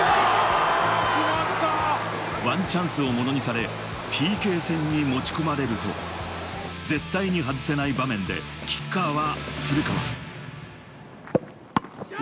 ワンチャンスをものにされ、ＰＫ戦に持ち込まれると、絶対に外せない場面でキッカーは古川。